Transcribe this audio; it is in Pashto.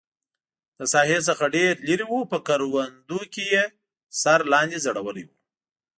له ساحې څخه ډېر لرې و، په کروندو کې یې سر لاندې ځړولی و.